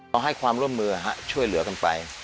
เอาให้ความร่วมมือช่วยเหลือกันไป